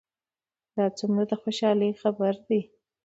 دا څومره د خوشحالۍ خبر ده؟